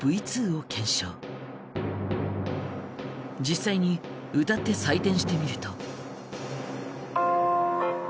実際に歌って採点してみると。